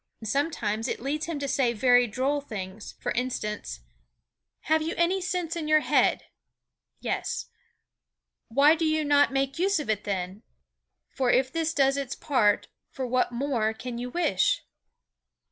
Sometimes it leads him to say very droll things; for instance: "Have you any sense in your head? Yes. Why do you not make use of it then? For if this does its part, for what more can you wish?"